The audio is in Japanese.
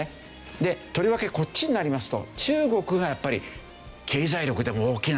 でとりわけこっちになりますと中国がやっぱり経済力でも大きな影響力を持つわけね。